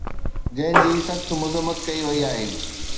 جنهن جي سخت مذمت ڪئي وئي آهي